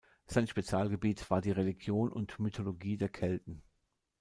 Sein Spezialgebiet war die Religion und Mythologie der Kelten.